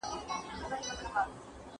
¬ مار هم په دښمن مه وژنه.